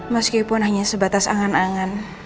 meskipun hanya sebatas angan angan